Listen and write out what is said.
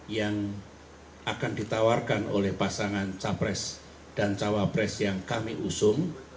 yang akan ditawarkan oleh pasangan capres dan cawapres yang kami usung